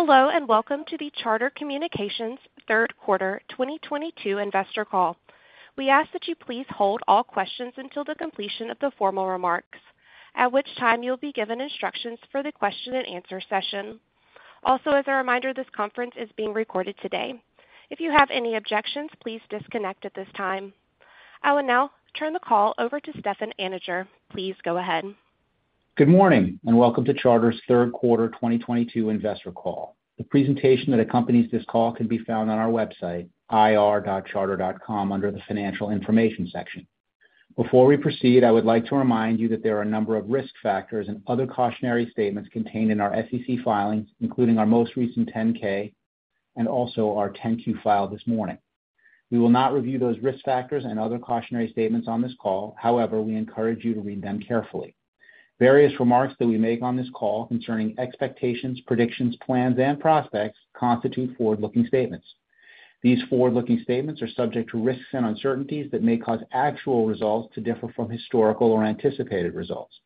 Hello, and welcome to the Charter Communications third quarter 2022 investor call. We ask that you please hold all questions until the completion of the formal remarks, at which time you'll be given instructions for the question and answer session. Also, as a reminder, this conference is being recorded today. If you have any objections, please disconnect at this time. I will now turn the call over to Stefan Anninger. Please go ahead. Good morning, and welcome to Charter's third quarter 2022 investor call. The presentation that accompanies this call can be found on our website, ir.charter.com, under the Financial Information section. Before we proceed, I would like to remind you that there are a number of risk factors and other cautionary statements contained in our SEC filings, including our most recent Form 10-K and also our Form 10-Q filed this morning. We will not review those risk factors and other cautionary statements on this call. However, we encourage you to read them carefully. Various remarks that we make on this call concerning expectations, predictions, plans, and prospects constitute forward-looking statements. These forward-looking statements are subject to risks and uncertainties that may cause actual results to differ from historical or anticipated results.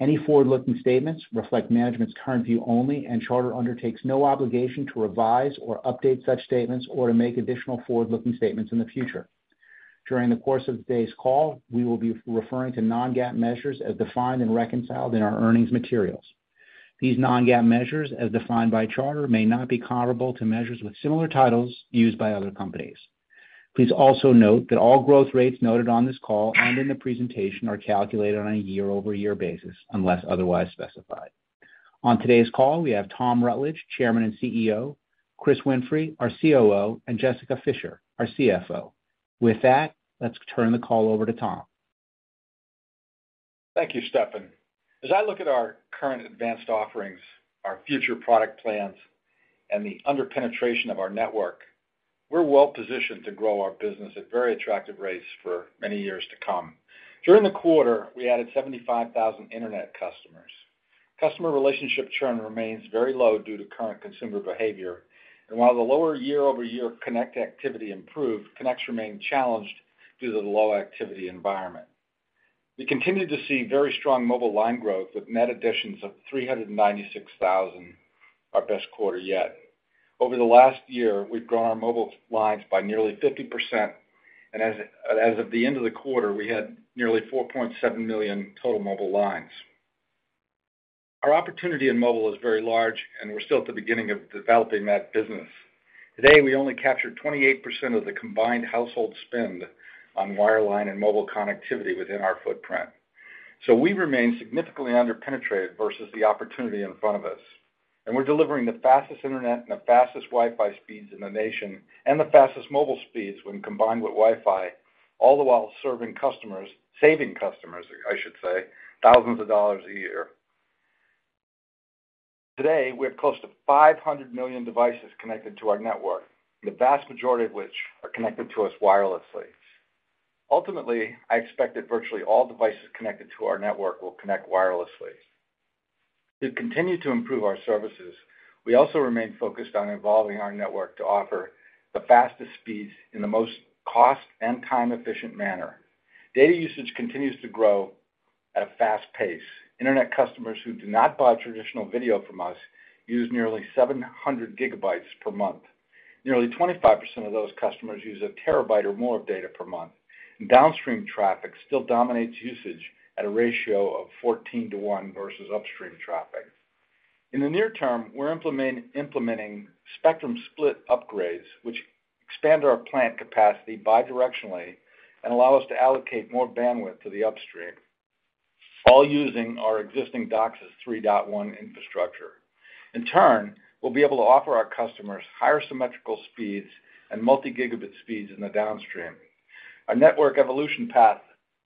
Any forward-looking statements reflect management's current view only, and Charter undertakes no obligation to revise or update such statements or to make additional forward-looking statements in the future. During the course of today's call, we will be referring to non-GAAP measures as defined and reconciled in our earnings materials. These non-GAAP measures, as defined by Charter, may not be comparable to measures with similar titles used by other companies. Please also note that all growth rates noted on this call and in the presentation are calculated on a year-over-year basis unless otherwise specified. On today's call, we have Tom Rutledge, Chairman and CEO, Chris Winfrey, our COO, and Jessica Fischer, our CFO. With that, let's turn the call over to Tom. Thank you, Stefan. As I look at our current advanced offerings, our future product plans, and the under-penetration of our network, we're well positioned to grow our business at very attractive rates for many years to come. During the quarter, we added 75,000 internet customers. Customer relationship churn remains very low due to current consumer behavior. While the lower year-over-year connect activity improved, connects remain challenged due to the low activity environment. We continued to see very strong mobile line growth with net additions of 396,000, our best quarter yet. Over the last year, we've grown our mobile lines by nearly 50%. As of the end of the quarter, we had nearly 4.7 million total mobile lines. Our opportunity in mobile is very large, and we're still at the beginning of developing that business. Today, we only captured 28% of the combined household spend on wireline and mobile connectivity within our footprint. We remain significantly under-penetrated versus the opportunity in front of us. We're delivering the fastest internet and the fastest Wi-Fi speeds in the nation and the fastest mobile speeds when combined with Wi-Fi, all the while serving customers, saving customers, I should say, thousands of dollars a year. Today, we have close to 500 million devices connected to our network, the vast majority of which are connected to us wirelessly. Ultimately, I expect that virtually all devices connected to our network will connect wirelessly. To continue to improve our services, we also remain focused on evolving our network to offer the fastest speeds in the most cost and time-efficient manner. Data usage continues to grow at a fast pace. Internet customers who do not buy traditional video from us use nearly 700 GB per month. Nearly 25% of those customers use 1 TB or more of data per month. Downstream traffic still dominates usage at a ratio of 14:1 versus upstream traffic. In the near term, we're implementing spectrum split upgrades, which expand our plant capacity bidirectionally and allow us to allocate more bandwidth to the upstream, all using our existing DOCSIS 3.1 infrastructure. In turn, we'll be able to offer our customers higher symmetrical speeds and multi-gigabit speeds in the downstream. Our network evolution path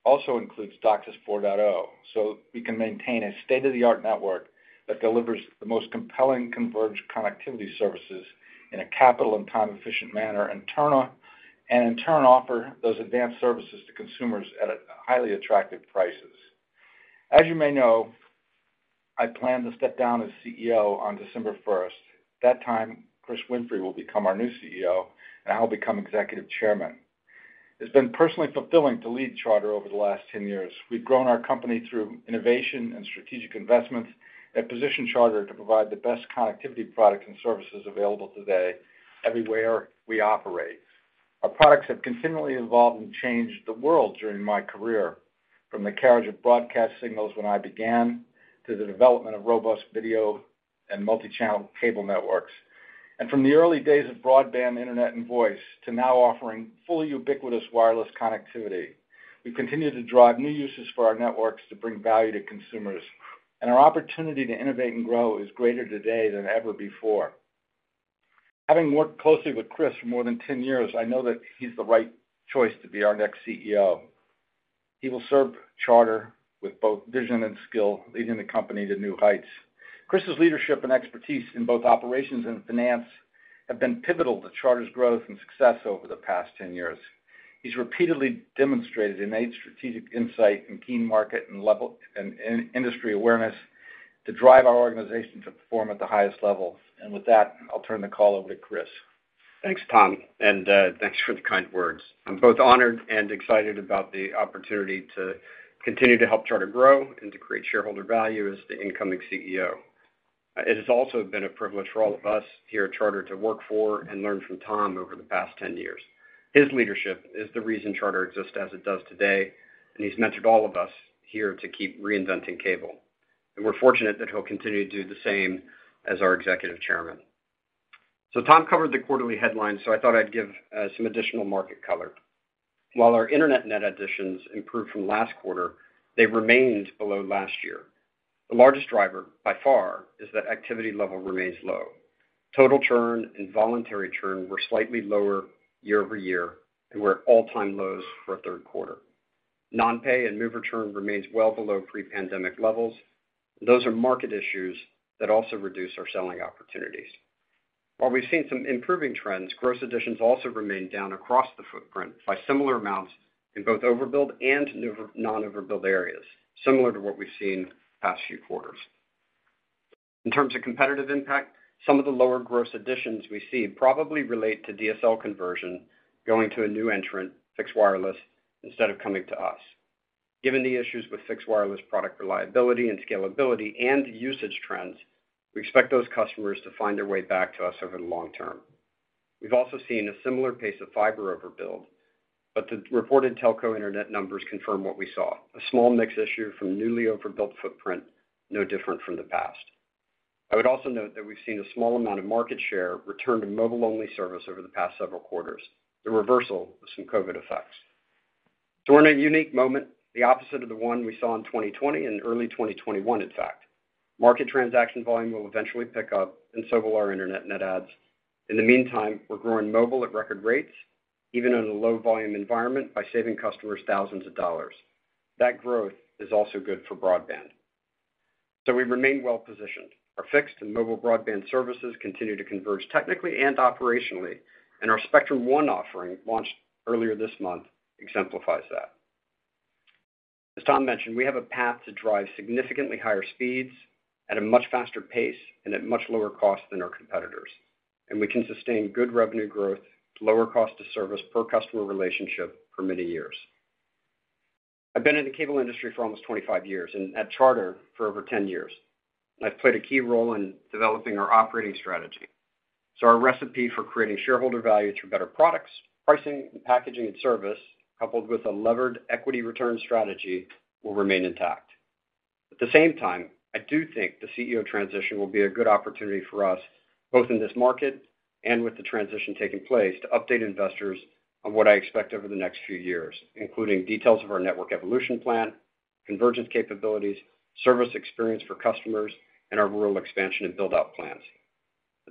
also includes DOCSIS 4.0, so we can maintain a state-of-the-art network that delivers the most compelling converged connectivity services in a capital and time-efficient manner, and in turn, offer those advanced services to consumers at a highly attractive prices. As you may know, I plan to step down as CEO on December 1st. That time, Chris Winfrey will become our new CEO, and I'll become executive chairman. It's been personally fulfilling to lead Charter over the last 10 years. We've grown our company through innovation and strategic investments that position Charter to provide the best connectivity products and services available today everywhere we operate. Our products have continually evolved and changed the world during my career, from the carriage of broadcast signals when I began to the development of robust video and multi-channel cable networks. From the early days of broadband internet and voice to now offering fully ubiquitous wireless connectivity, we've continued to drive new uses for our networks to bring value to consumers. Our opportunity to innovate and grow is greater today than ever before. Having worked closely with Chris for more than 10 years, I know that he's the right choice to be our next CEO. He will serve Charter with both vision and skill, leading the company to new heights. Chris's leadership and expertise in both operations and finance have been pivotal to Charter's growth and success over the past 10 years. He's repeatedly demonstrated innate strategic insight and keen market-level and in-industry awareness to drive our organization to perform at the highest level. With that, I'll turn the call over to Chris. Thanks, Tom, and thanks for the kind words. I'm both honored and excited about the opportunity to continue to help Charter grow and to create shareholder value as the incoming CEO. It has also been a privilege for all of us here at Charter to work for and learn from Tom over the past 10 years. His leadership is the reason Charter exists as it does today, and he's mentored all of us here to keep reinventing cable. We're fortunate that he'll continue to do the same as our executive chairman. Tom covered the quarterly headlines, so I thought I'd give some additional market color. While our internet net additions improved from last quarter, they remained below last year. The largest driver, by far, is that activity level remains low. Total churn and voluntary churn were slightly lower year-over-year and were at all-time lows for a third quarter. Non-pay and mover churn remains well below pre-pandemic levels. Those are market issues that also reduce our selling opportunities. While we've seen some improving trends, gross additions also remain down across the footprint by similar amounts in both overbuild and non-overbuild areas, similar to what we've seen the past few quarters. In terms of competitive impact, some of the lower gross additions we see probably relate to DSL conversion going to a new entrant, fixed wireless, instead of coming to us. Given the issues with fixed wireless product reliability and scalability and usage trends, we expect those customers to find their way back to us over the long term. We've also seen a similar pace of fiber overbuild, but the reported telco internet numbers confirm what we saw, a small mix issue from newly overbuilt footprint, no different from the past. I would also note that we've seen a small amount of market share return to mobile-only service over the past several quarters, the reversal of some COVID effects. We're in a unique moment, the opposite of the one we saw in 2020 and early 2021, in fact. Market transaction volume will eventually pick up, and so will our internet net adds. In the meantime, we're growing mobile at record rates, even in a low volume environment, by saving customers thousands of dollars. That growth is also good for broadband. We remain well-positioned. Our fixed and mobile broadband services continue to converge technically and operationally, and our Spectrum One offering, launched earlier this month, exemplifies that. As Tom mentioned, we have a path to drive significantly higher speeds at a much faster pace and at much lower cost than our competitors, and we can sustain good revenue growth, lower cost to service per customer relationship for many years. I've been in the cable industry for almost 25 years and at Charter for over 10 years, and I've played a key role in developing our operating strategy. Our recipe for creating shareholder value through better products, pricing, and packaging, and service, coupled with a levered equity return strategy, will remain intact. At the same time, I do think the CEO transition will be a good opportunity for us, both in this market and with the transition taking place, to update investors on what I expect over the next few years, including details of our network evolution plan, convergence capabilities, service experience for customers, and our rural expansion and build-out plans.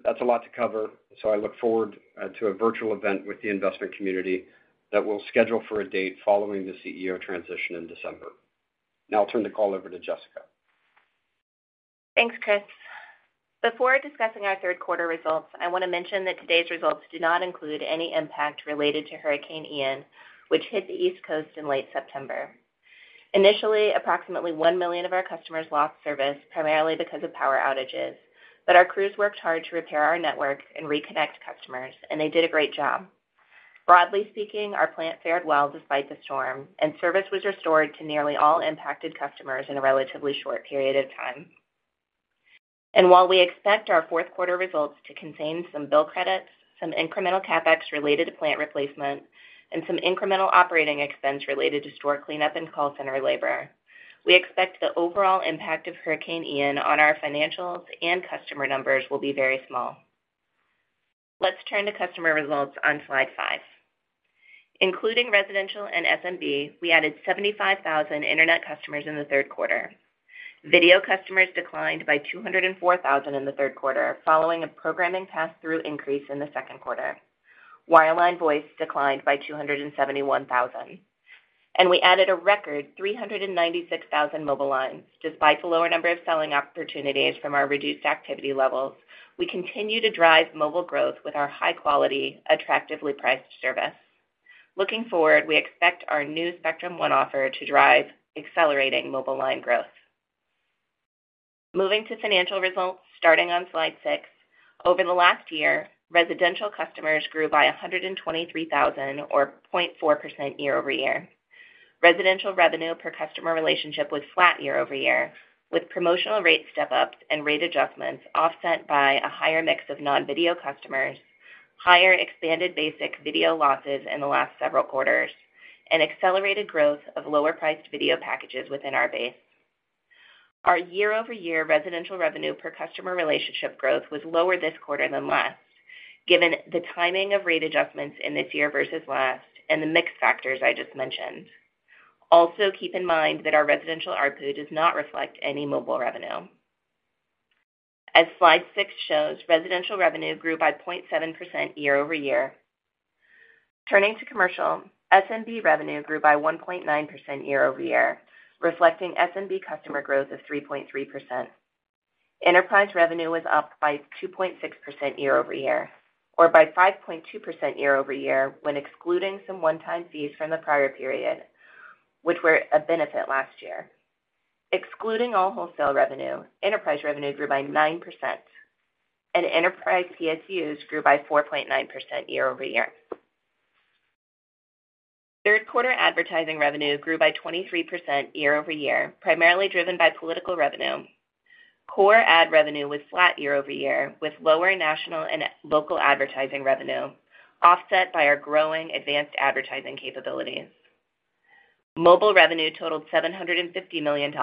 That's a lot to cover, so I look forward to a virtual event with the investment community that we'll schedule for a date following the CEO transition in December. Now I'll turn the call over to Jessica. Thanks, Chris. Before discussing our third quarter results, I want to mention that today's results do not include any impact related to Hurricane Ian, which hit the East Coast in late September. Initially, approximately 1 million of our customers lost service, primarily because of power outages, but our crews worked hard to repair our network and reconnect customers, and they did a great job. Broadly speaking, our plant fared well despite the storm, and service was restored to nearly all impacted customers in a relatively short period of time. While we expect our fourth quarter results to contain some bill credits, some incremental CapEx related to plant replacement, and some incremental operating expense related to store cleanup and call center labor, we expect the overall impact of Hurricane Ian on our financials and customer numbers will be very small. Let's turn to customer results on slide five. Including residential and SMB, we added 75,000 internet customers in the third quarter. Video customers declined by 204,000 in the third quarter, following a programming pass-through increase in the second quarter. Wireline voice declined by 271,000. We added a record 396,000 mobile lines. Despite the lower number of selling opportunities from our reduced activity levels, we continue to drive mobile growth with our high-quality, attractively priced service. Looking forward, we expect our new Spectrum One offer to drive accelerating mobile line growth. Moving to financial results, starting on slide six. Over the last year, residential customers grew by 123,000 or 0.4% year-over-year. Residential revenue per customer relationship was flat year-over-year, with promotional rate step-ups and rate adjustments offset by a higher mix of non-video customers, higher expanded basic video losses in the last several quarters, and accelerated growth of lower-priced video packages within our base. Our year-over-year residential revenue per customer relationship growth was lower this quarter than last, given the timing of rate adjustments in this year versus last and the mix factors I just mentioned. Also, keep in mind that our residential ARPU does not reflect any mobile revenue. As slide six shows, residential revenue grew by 0.7% year-over-year. Turning to commercial, SMB revenue grew by 1.9% year-over-year, reflecting SMB customer growth of 3.3%. Enterprise revenue was up by 2.6% year-over-year or by 5.2% year-over-year when excluding some one-time fees from the prior period, which were a benefit last year. Excluding all wholesale revenue, enterprise revenue grew by 9%, and enterprise PSUs grew by 4.9% year-over-year. Third quarter advertising revenue grew by 23% year-over-year, primarily driven by political revenue. Core ad revenue was flat year-over-year, with lower national and local advertising revenue, offset by our growing advanced advertising capabilities. Mobile revenue totaled $750 million,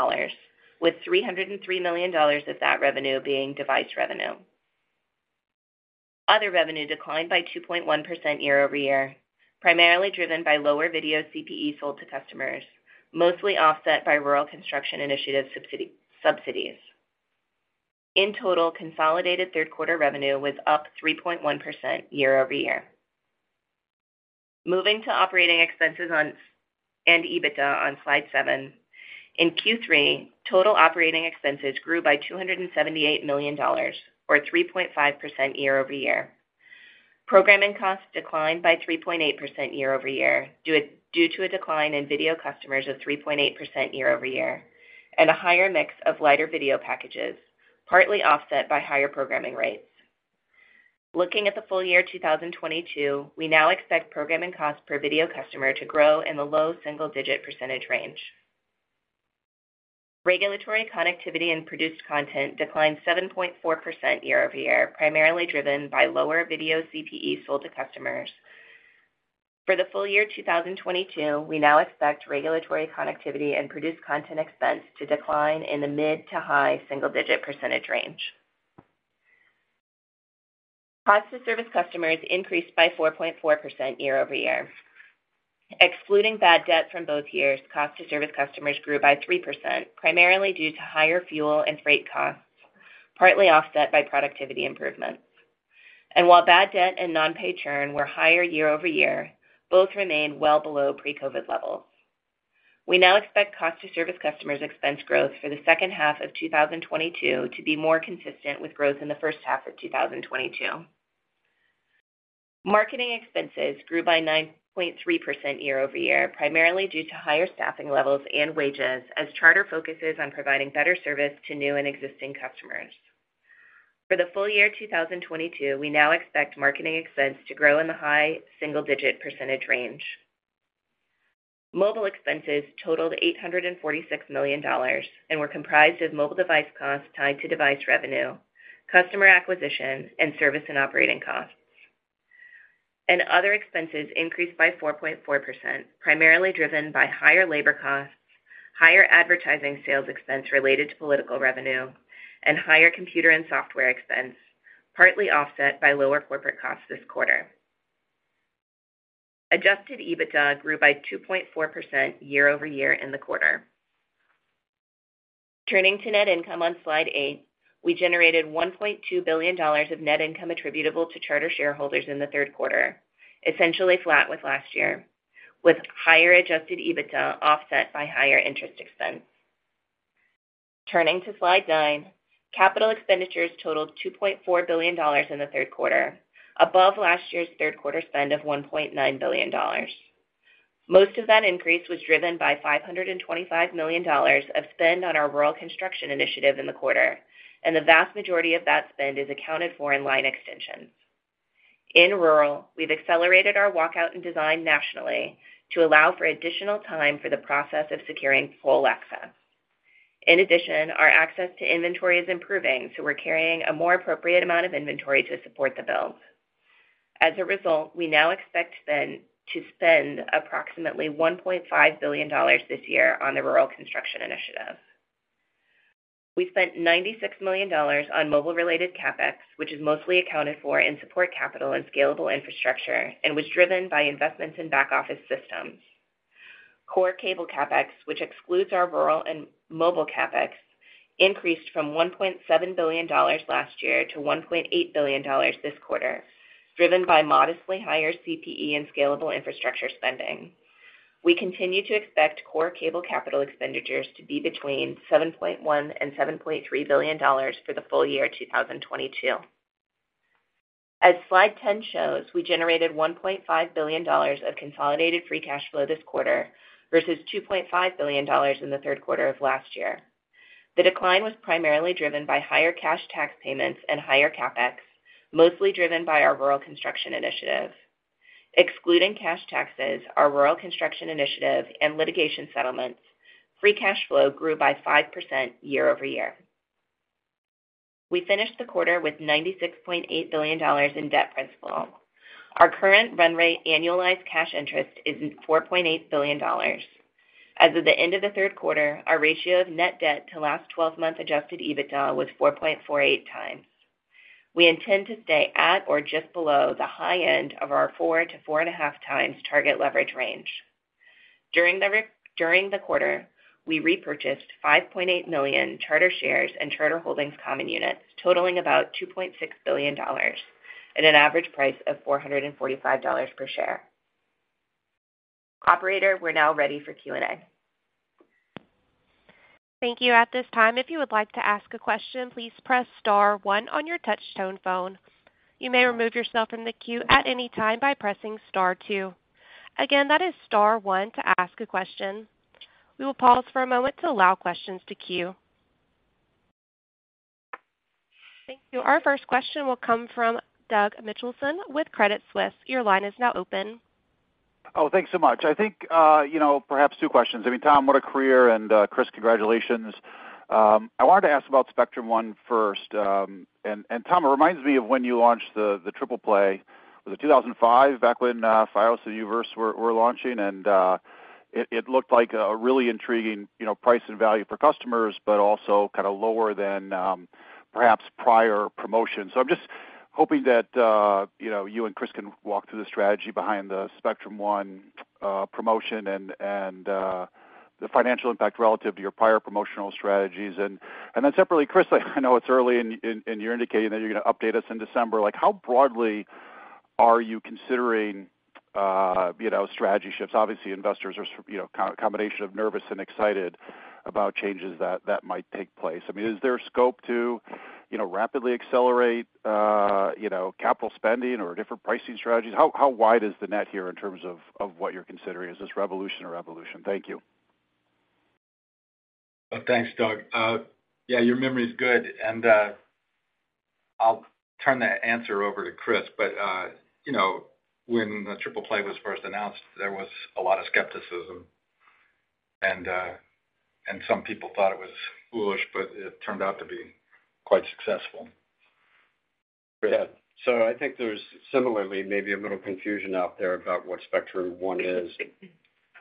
with $303 million of that revenue being device revenue. Other revenue declined by 2.1% year-over-year, primarily driven by lower video CPE sold to customers, mostly offset by Rural Construction Initiative subsidies. In total, consolidated third quarter revenue was up 3.1% year-over-year. Moving to operating expenses and EBITDA on slide seven. In Q3, total operating expenses grew by $278 million, or 3.5% year-over-year. Programming costs declined by 3.8% year-over-year, due to a decline in video customers of 3.8% year-over-year, and a higher mix of lighter video packages, partly offset by higher programming rates. Looking at the full year 2022, we now expect programming costs per video customer to grow in the low single-digit percentage range. Regulatory connectivity and produced content declined 7.4% year-over-year, primarily driven by lower video CPE sold to customers. For the full year 2022, we now expect regulatory connectivity and produced content expense to decline in the mid to high single-digit percentage range. Cost to service customers increased by 4.4% year-over-year. Excluding bad debt from both years, cost to service customers grew by 3%, primarily due to higher fuel and freight costs, partly offset by productivity improvements. While bad debt and non-pay churn were higher year-over-year, both remain well below pre-COVID levels. We now expect cost to service customers expense growth for the second half of 2022 to be more consistent with growth in the first half of 2022. Marketing expenses grew by 9.3% year-over-year, primarily due to higher staffing levels and wages as Charter focuses on providing better service to new and existing customers. For the full year 2022, we now expect marketing expense to grow in the high single-digit percentage range. Mobile expenses totaled $846 million and were comprised of mobile device costs tied to device revenue, customer acquisitions, and service and operating costs. Other expenses increased by 4.4%, primarily driven by higher labor costs, higher advertising sales expense related to political revenue, and higher computer and software expense, partly offset by lower corporate costs this quarter. Adjusted EBITDA grew by 2.4% year-over-year in the quarter. Turning to net income on slide eight. We generated $1.2 billion of net income attributable to Charter shareholders in the third quarter, essentially flat with last year, with higher adjusted EBITDA offset by higher interest expense. Turning to slide nine. Capital expenditures totaled $2.4 billion in the third quarter, above last year's third quarter spend of $1.9 billion. Most of that increase was driven by $525 million of spend on our Rural Construction Initiative in the quarter, and the vast majority of that spend is accounted for in line extensions. In rural, we've accelerated our walkout and design nationally to allow for additional time for the process of securing pole access. In addition, our access to inventory is improving, so we're carrying a more appropriate amount of inventory to support the build. As a result, we now expect to spend approximately $1.5 billion this year on the Rural Construction Initiative. We spent $96 million on mobile-related CapEx, which is mostly accounted for in support capital and scalable infrastructure and was driven by investments in back-office systems. Core cable CapEx, which excludes our rural and mobile CapEx, increased from $1.7 billion last year to $1.8 billion this quarter, driven by modestly higher CPE and scalable infrastructure spending. We continue to expect core cable capital expenditures to be between $7.1 billion-$7.3 billion for the full year 2022. As slide 10 shows, we generated $1.5 billion of consolidated free cash flow this quarter versus $2.5 billion in the third quarter of last year. The decline was primarily driven by higher cash tax payments and higher CapEx, mostly driven by our Rural Construction Initiative. Excluding cash taxes, our Rural Construction Initiative, and litigation settlements, free cash flow grew by 5% year-over-year. We finished the quarter with $96.8 billion in debt principal. Our current run rate annualized cash interest is at $4.8 billion. As of the end of the third quarter, our ratio of net debt to last 12-month adjusted EBITDA was 4.48x. We intend to stay at or just below the high end of our 4x-4.5x target leverage range. During the quarter, we repurchased 5.8 million Charter shares and Charter Holdings common units totaling about $2.6 billion at an average price of $445 per share. Operator, we're now ready for Q&A. Thank you. At this time, if you would like to ask a question, please press star one on your touch-tone phone. You may remove yourself from the queue at any time by pressing star two. Again, that is star one to ask a question. We will pause for a moment to allow questions to queue. Thank you. Our first question will come from Douglas Mitchelson with Credit Suisse. Your line is now open. Oh, thanks so much. I think, you know, perhaps two questions. I mean, Tom, what a career, and Chris, congratulations. I wanted to ask about Spectrum One first. Tom, it reminds me of when you launched the Triple Play. Was it 2005 back when FiOS and U-verse were launching, and it looked like a really intriguing, you know, price and value for customers, but also kinda lower than perhaps prior promotions. I'm just hoping that, you know, you and Chris can walk through the strategy behind the Spectrum One promotion and the financial impact relative to your prior promotional strategies. Separately, Chris, I know it's early and you're indicating that you're gonna update us in December. Like, how broadly are you considering, you know, strategy shifts? Obviously, investors are you know, combination of nervous and excited about changes that might take place. I mean, is there scope to, you know, rapidly accelerate, you know, capital spending or different pricing strategies? How wide is the net here in terms of what you're considering? Is this revolution or evolution? Thank you. Thanks, Doug. Yeah, your memory's good. I'll turn that answer over to Chris. You know, when the Triple Play was first announced, there was a lot of skepticism and some people thought it was foolish, but it turned out to be quite successful. Yeah. I think there's similarly maybe a little confusion out there about what Spectrum One is.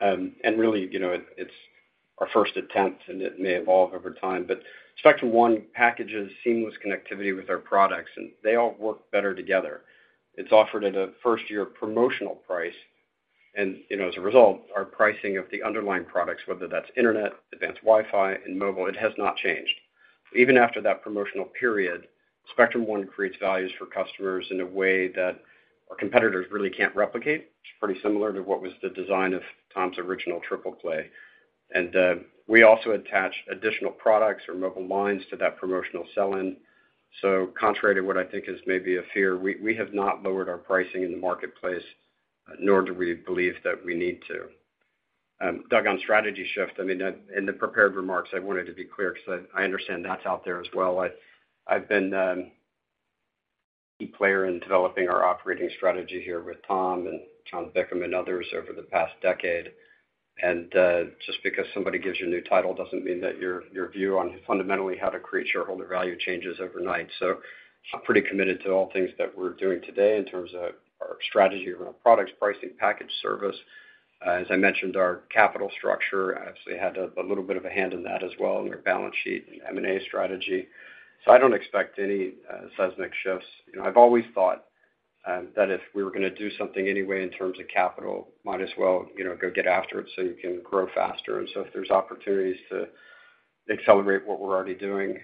Really, you know, it's our first attempt, and it may evolve over time. Spectrum One packages seamless connectivity with our products, and they all work better together. It's offered at a first-year promotional price. You know, as a result, our pricing of the underlying products, whether that's internet, advanced Wi-Fi, and mobile, it has not changed. Even after that promotional period, Spectrum One creates values for customers in a way that our competitors really can't replicate. It's pretty similar to what was the design of Tom's original Triple Play. We also attach additional products or mobile lines to that promotional sell-in. Contrary to what I think is maybe a fear, we have not lowered our pricing in the marketplace, nor do we believe that we need to. Doug, on strategy shift, I mean, in the prepared remarks, I wanted to be clear 'cause I understand that's out there as well. I've been key player in developing our operating strategy here with Tom and John Bickham and others over the past decade. Just because somebody gives you a new title doesn't mean that your view on fundamentally how to create shareholder value changes overnight. I'm pretty committed to all things that we're doing today in terms of our strategy around products, pricing, package service. As I mentioned, our capital structure, I obviously had a little bit of a hand in that as well in our balance sheet and M&A strategy. I don't expect any seismic shifts. You know, I've always thought that if we were gonna do something anyway in terms of capital, might as well, you know, go get after it so you can grow faster. If there's opportunities to accelerate what we're already doing,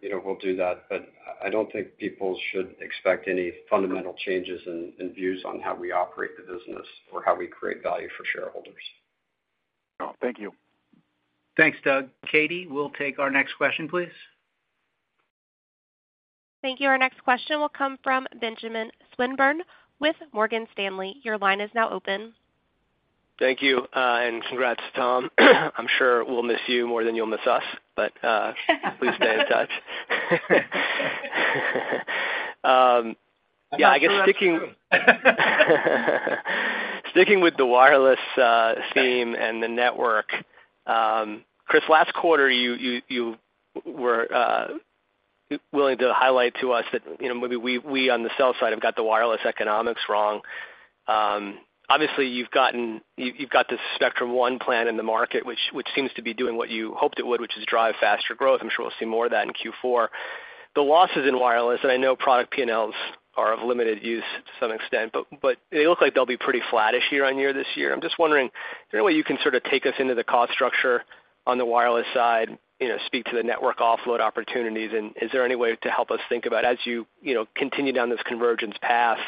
you know, we'll do that. I don't think people should expect any fundamental changes in views on how we operate the business or how we create value for shareholders. Oh, thank you. Thanks, Doug. Katie, we'll take our next question, please. Thank you. Our next question will come from Benjamin Swinburne with Morgan Stanley. Your line is now open. Thank you, and congrats, Tom. I'm sure we'll miss you more than you'll miss us, but please stay in touch. I guess sticking with the wireless theme and the network, Chris, last quarter, you were willing to highlight to us that, you know, maybe we on the sell side have got the wireless economics wrong. Obviously you've got this Spectrum One plan in the market, which seems to be doing what you hoped it would, which is drive faster growth. I'm sure we'll see more of that in Q4. The losses in wireless, and I know product P&Ls are of limited use to some extent, but they look like they'll be pretty flattish year-over-year this year. I'm just wondering, is there any way you can sort of take us into the cost structure on the wireless side, you know, speak to the network offload opportunities? Is there any way to help us think about as you know, continue down this convergence path,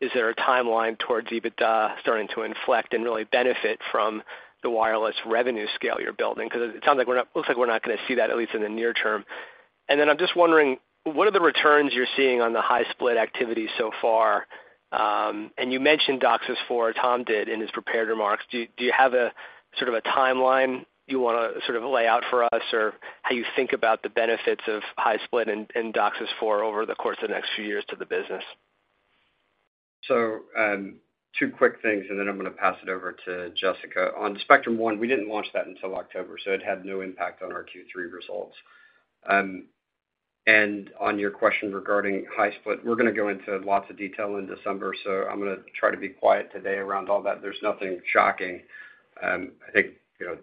is there a timeline towards EBITDA starting to inflect and really benefit from the wireless revenue scale you're building? 'Cause it looks like we're not gonna see that, at least in the near term. I'm just wondering, what are the returns you're seeing on the high-split activity so far? You mentioned DOCSIS 4.0, Tom did, in his prepared remarks. Do you have a sort of a timeline you wanna sort of lay out for us, or how you think about the benefits of high-split and DOCSIS 4.0 over the course of the next few years to the business? Two quick things, and then I'm gonna pass it over to Jessica. On Spectrum One, we didn't launch that until October, so it had no impact on our Q3 results. On your question regarding high-split, we're gonna go into lots of detail in December, so I'm gonna try to be quiet today around all that. There's nothing shocking. I think, you know,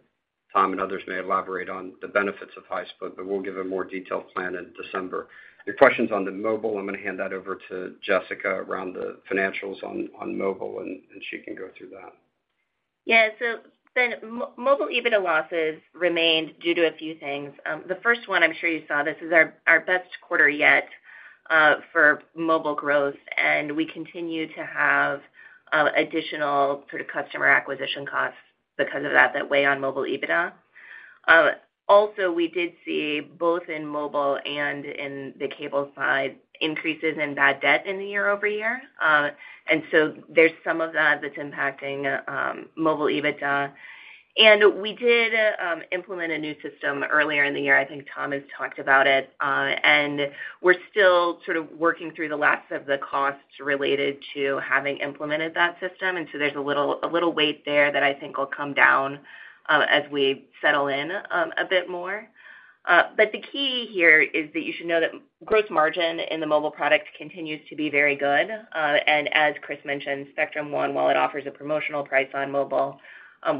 Tom and others may elaborate on the benefits of high-split, but we'll give a more detailed plan in December. Your questions on the mobile, I'm gonna hand that over to Jessica around the financials on mobile, and she can go through that. Yeah. Ben, mobile EBITDA losses remained due to a few things. The first one, I'm sure you saw, this is our best quarter yet for mobile growth, and we continue to have additional sort of customer acquisition costs because of that that weigh on mobile EBITDA. Also we did see both in mobile and in the cable side increases in bad debt in the year-over-year. There's some of that that's impacting mobile EBITDA. We did implement a new system earlier in the year, I think Tom has talked about it. We're still sort of working through the last of the costs related to having implemented that system. There's a little weight there that I think will come down as we settle in a bit more. The key here is that you should know that gross margin in the mobile product continues to be very good. As Chris mentioned, Spectrum One, while it offers a promotional price on mobile,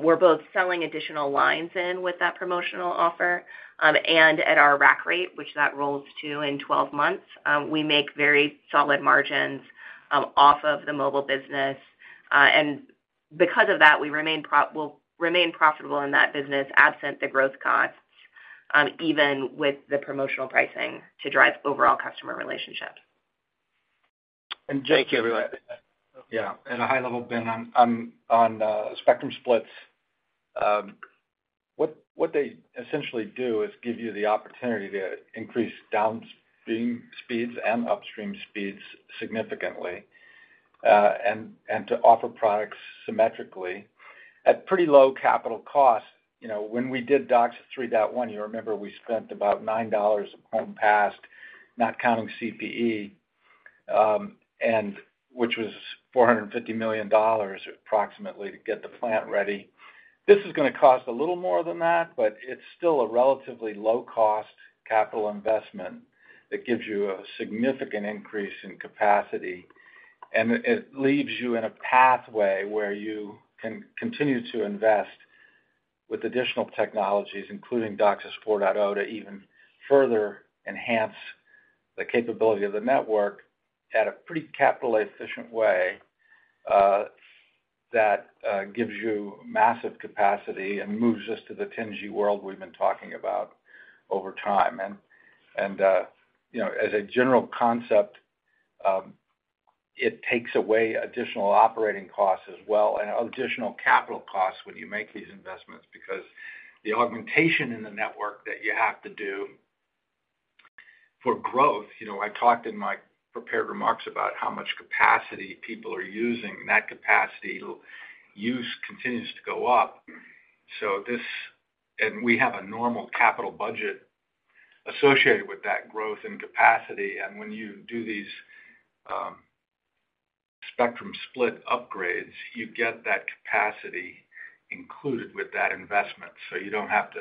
we're both selling additional lines in with that promotional offer, and at our rack rate, which that rolls to in 12 months, we make very solid margins off of the mobile business. Because of that, we'll remain profitable in that business absent the growth costs, even with the promotional pricing to drive overall customer relationships. Jake. Thank you, everyone. Yeah. At a high level, Ben, on spectrum splits, what they essentially do is give you the opportunity to increase downstream speeds and upstream speeds significantly, and to offer products symmetrically at pretty low capital costs. You know, when we did DOCSIS 3.1, you remember we spent about $9 home passed, not counting CPE, and which was approximately $450 million to get the plant ready. This is gonna cost a little more than that, but it's still a relatively low-cost capital investment that gives you a significant increase in capacity. It leaves you in a pathway where you can continue to invest with additional technologies, including DOCSIS 4.0, to even further enhance the capability of the network at a pretty capital-efficient way that gives you massive capacity and moves us to the 10G world we've been talking about over time. You know, as a general concept, it takes away additional operating costs as well, and additional capital costs when you make these investments, because the augmentation in the network that you have to do for growth, you know, I talked in my prepared remarks about how much capacity people are using, net capacity use continues to go up, and we have a normal capital budget associated with that growth and capacity. When you do these spectrum split upgrades, you get that capacity included with that investment, so you don't have to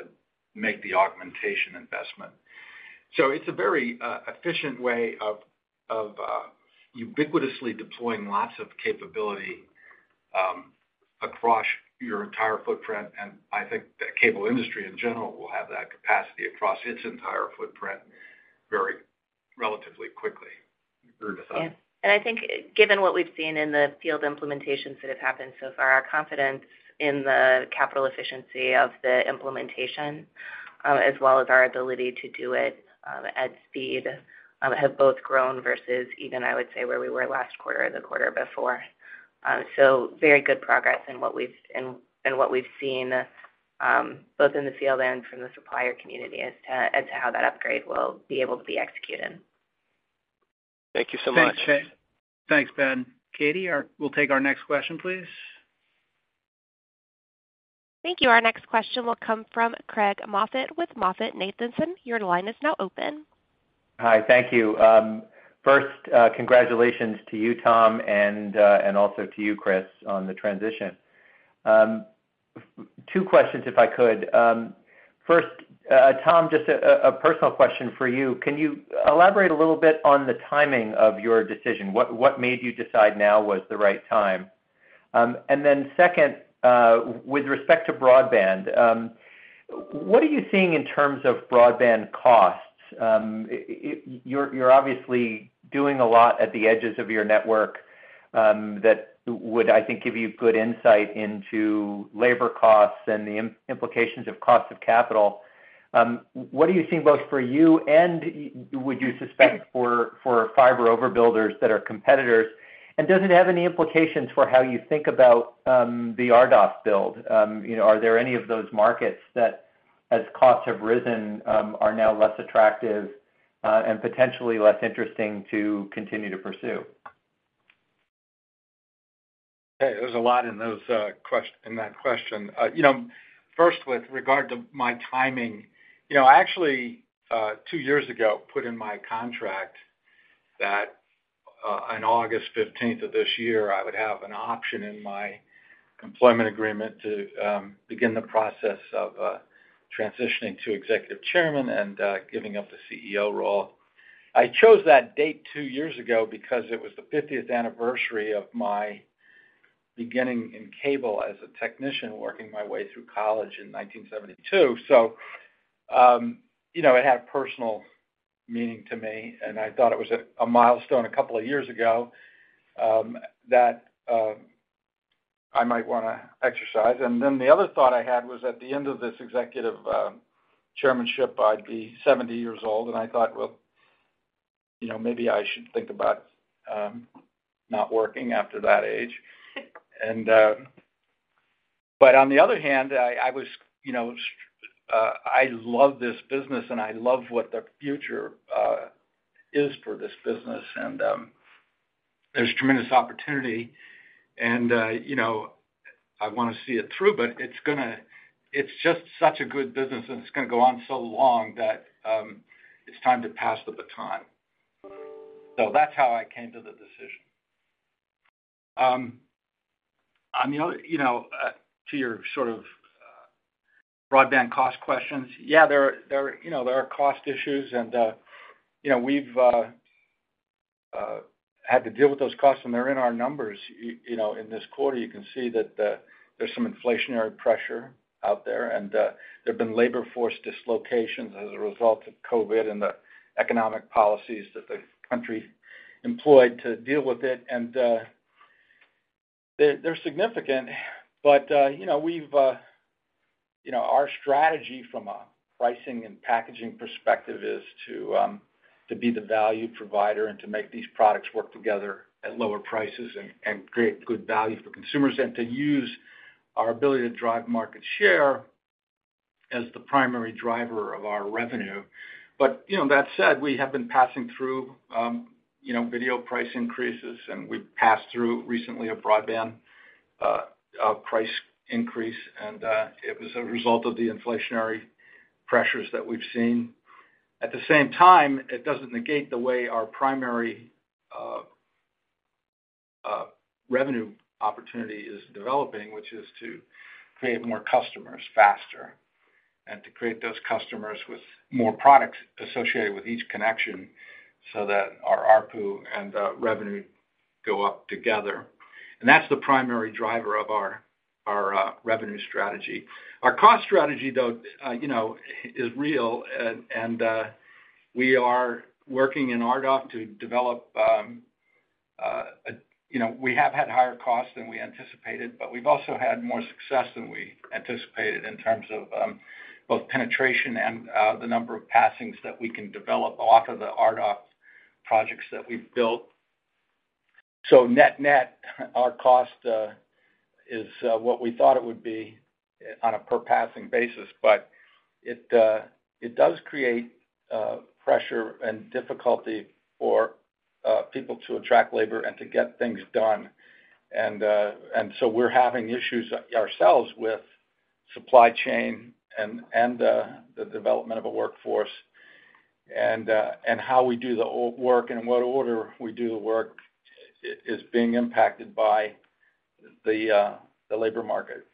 make the augmentation investment. It's a very efficient way of ubiquitously deploying lots of capability across your entire footprint. I think the cable industry in general will have that capacity across its entire footprint very relatively quickly. Agree with that? Yeah. I think given what we've seen in the field implementations that have happened so far, our confidence in the capital efficiency of the implementation, as well as our ability to do it, at speed, have both grown versus even, I would say, where we were last quarter or the quarter before. Very good progress in what we've seen, both in the field and from the supplier community as to how that upgrade will be able to be executed. Thank you so much. Thanks, Ben. Katie, we'll take our next question, please. Thank you. Our next question will come from Craig Moffett with MoffettNathanson. Your line is now open. Hi, thank you. First, congratulations to you, Tom, and also to you, Chris, on the transition. Two questions, if I could. First, Tom, just a personal question for you. Can you elaborate a little bit on the timing of your decision? What made you decide now was the right time? And then second, with respect to broadband, what are you seeing in terms of broadband costs? You're obviously doing a lot at the edges of your network, that would, I think, give you good insight into labor costs and the implications of cost of capital. What are you seeing both for you and would you suspect for fiber overbuilders that are competitors? Does it have any implications for how you think about the RDOF build? You know, are there any of those markets that, as costs have risen, are now less attractive, and potentially less interesting to continue to pursue? Okay. There's a lot in that question. You know, first, with regard to my timing, you know, I actually, two years ago, put in my contract that, on August 15th of this year, I would have an option in my employment agreement to, begin the process of, transitioning to executive chairman and, giving up the CEO role. I chose that date two years ago because it was the 50th anniversary of my beginning in cable as a technician, working my way through college in 1972. You know, it had personal meaning to me, and I thought it was a milestone a couple of years ago, that I might wanna exercise. Then the other thought I had was, at the end of this executive chairmanship, I'd be 70 years old. I thought, well, you know, maybe I should think about not working after that age. On the other hand, I was, you know, I love this business, and I love what the future is for this business. There's tremendous opportunity and, you know, I wanna see it through. It's just such a good business, and it's gonna go on so long that it's time to pass the baton. That's how I came to the decision. I mean, you know, to your sort of broadband cost questions, yeah, there, you know, there are cost issues and, you know, we've had to deal with those costs, and they're in our numbers. You know, in this quarter, you can see that, there's some inflationary pressure out there, and there've been labor force dislocations as a result of COVID and the economic policies that the country employed to deal with it. They're significant, but you know, we've... You know, our strategy from a pricing and packaging perspective is to be the value provider and to make these products work together at lower prices and create good value for consumers and to use our ability to drive market share as the primary driver of our revenue. But you know, that said, we have been passing through, you know, video price increases, and we passed through recently a broadband price increase. It was a result of the inflationary pressures that we've seen. At the same time, it doesn't negate the way our primary revenue opportunity is developing, which is to create more customers faster and to create those customers with more products associated with each connection so that our ARPU and revenue go up together. That's the primary driver of our revenue strategy. Our cost strategy, though, you know, is real and we are working in RDOF to develop, you know, we have had higher costs than we anticipated, but we've also had more success than we anticipated in terms of both penetration and the number of passings that we can develop off of the RDOF projects that we've built. Net-net, our cost is what we thought it would be on a per-passing basis, but it does create pressure and difficulty for people to attract labor and to get things done. We're having issues ourselves with supply chain and the development of a workforce and how we do the work and in what order we do the work is being impacted by the labor market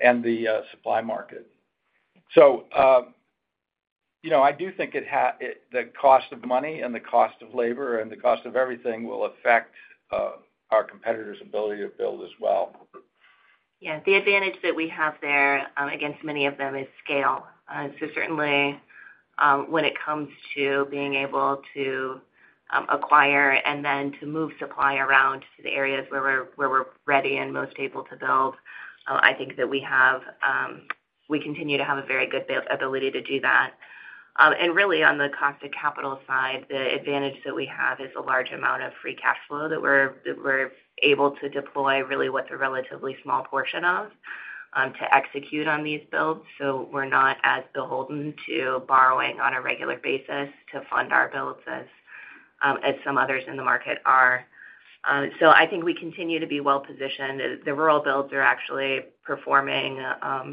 and the supply market. You know, I do think the cost of money and the cost of labor and the cost of everything will affect our competitors' ability to build as well. Yeah. The advantage that we have there against many of them is scale. Certainly, when it comes to being able to acquire and then to move supply around to the areas where we're ready and most able to build, I think that we continue to have a very good ability to do that. Really on the cost of capital side, the advantage that we have is a large amount of free cash flow that we're able to deploy really what's a relatively small portion of to execute on these builds. We're not as beholden to borrowing on a regular basis to fund our builds as some others in the market are. I think we continue to be well positioned. The rural builds are actually performing at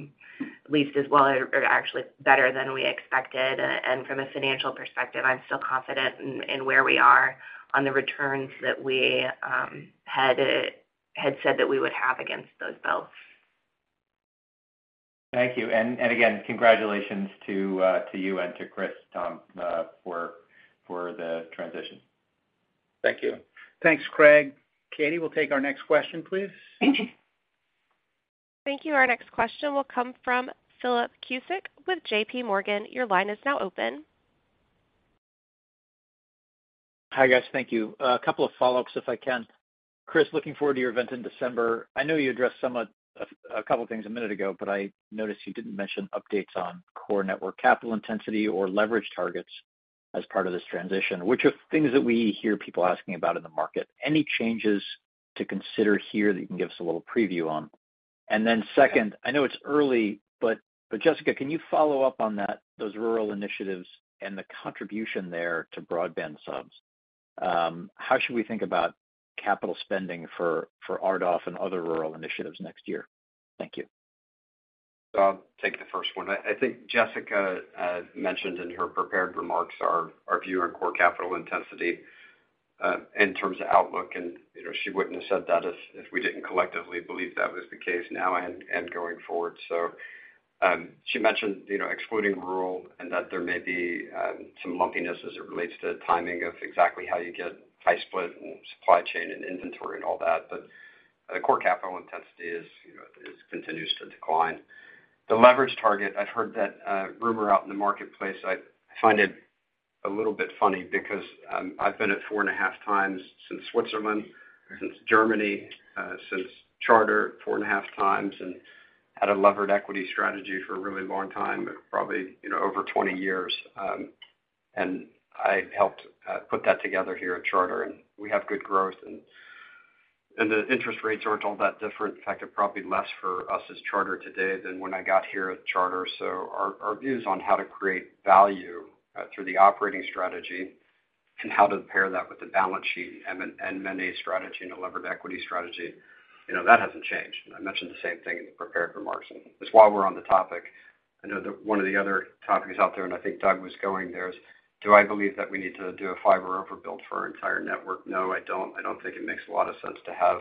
least as well or actually better than we expected. From a financial perspective, I'm still confident in where we are on the returns that we had said that we would have against those builds. Thank you. Congratulations to you and to Chris, Tom, for the transition. Thank you. Thanks, Craig. Katie, we'll take our next question, please. Thank you. Thank you. Our next question will come from Philip Cusick with JPMorgan. Your line is now open. Hi, guys. Thank you. A couple of follow-ups, if I can. Chris, looking forward to your event in December. I know you addressed some of a couple things a minute ago, but I noticed you didn't mention updates on core network capital intensity or leverage targets as part of this transition, which are things that we hear people asking about in the market. Any changes to consider here that you can give us a little preview on? Second, I know it's early, but Jessica, can you follow up on that, those rural initiatives and the contribution there to broadband subs? How should we think about capital spending for RDOF and other rural initiatives next year? Thank you. I'll take the first one. I think Jessica mentioned in her prepared remarks our view on core capital intensity in terms of outlook. You know, she wouldn't have said that if we didn't collectively believe that was the case now and going forward. She mentioned, you know, excluding rural and that there may be some lumpiness as it relates to timing of exactly how you get high-split and supply chain and inventory and all that. But the core capital intensity continues to decline. The leverage target, I've heard that rumor out in the marketplace. I find it a little bit funny because I've been at 4.5x since Switzerland, since Germany, since Charter 4.5x. Had a levered equity strategy for a really long time, probably, you know, over 20 years. I helped put that together here at Charter, and we have good growth and the interest rates aren't all that different. In fact, they're probably less for us as Charter today than when I got here at Charter. Our views on how to create value through the operating strategy and how to pair that with the balance sheet and M&A strategy and a levered equity strategy, you know, that hasn't changed. I mentioned the same thing in the prepared remarks. Just while we're on the topic, I know that one of the other topics out there, and I think Doug was going there, is do I believe that we need to do a fiber overbuild for our entire network? No, I don't. I don't think it makes a lot of sense to have